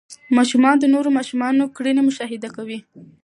ماشومان د نورو ماشومانو کړنې مشاهده کوي.